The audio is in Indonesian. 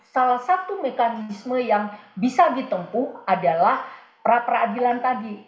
salah satu mekanisme yang bisa ditempuh adalah pra peradilan tadi